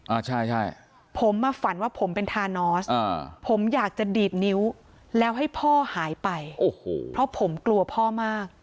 อ่าใช่ใช่ผมมาฝันว่าผมเป็นทานอสอ่าผมอยากจะดีดนิ้วแล้วให้พ่อหายไปโอ้โหเพราะผมกลัวพ่อมาก